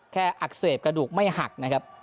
อักเสบกระดูกไม่หักนะครับ